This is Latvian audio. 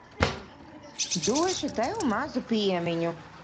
Došu tev mazu piemiņu.